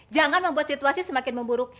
jangan membuat situasi semakin memburuk